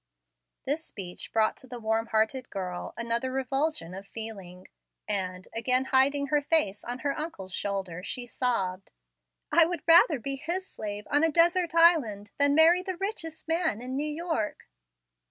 This speech brought to the warm hearted girl another revulsion of feeling, and, again hiding her face on her uncle's shoulder, she sobbed, "I would rather be his slave on a desert island than marry the richest man in New York."